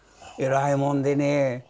えらいもんでねえ